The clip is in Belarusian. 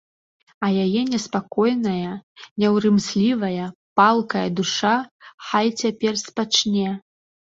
А яе неспакойная, няўрымслівая, палкая душа хай цяпер спачне.